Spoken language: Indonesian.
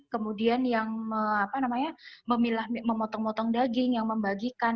kemudian yang memilah memotong motong daging yang membagikan